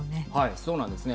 そうなんですね。